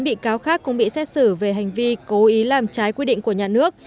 một mươi bị cáo khác cũng bị xét xử về hành vi cố ý làm trái quy định của nhà nước